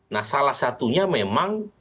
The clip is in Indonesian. nah salah satunya memang